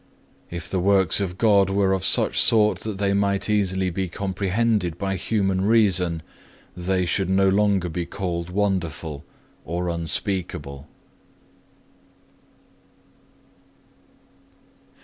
If the works of God were of such sort that they might easily be comprehended by human reason, they should no longer be called wonderful or unspeakable.